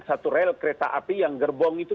satu rel kereta api yang gerbong itu